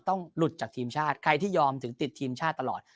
หลุดจากทีมชาติใครที่ยอมถึงติดทีมชาติตลอด